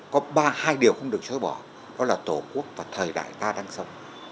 có hai điều không được chối bỏ đó là tổ quốc và thời đại ta đang sống